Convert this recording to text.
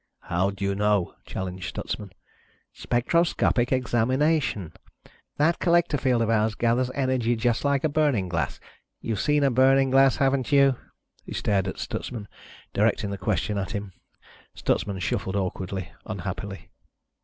"How do you know?" challenged Stutsman. "Spectroscopic examination. That collector field of ours gathers energy just like a burning glass. You've seen a burning glass, haven't you?" He stared at Stutsman, directing the question at him. Stutsman shuffled awkwardly, unhappily.